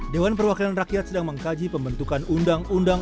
dewan perwakilan rakyat sedang mengkaji pembentukan undang undang